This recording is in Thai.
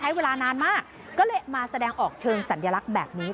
เวลานานมากก็เลยมาแสดงออกเชิงสัญลักษณ์แบบนี้